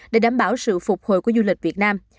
để đảm bảo sự phục hồi của du lịch việt nam